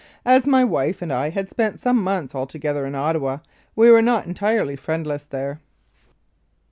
As my wife and I had spent some months altogether in Ottawa, we were not entirely friendless there.